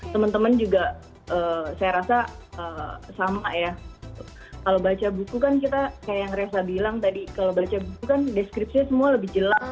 teman teman juga saya rasa sama ya kalau baca buku kan kita kayak yang reza bilang tadi kalau baca buku kan deskripsinya semua lebih jelas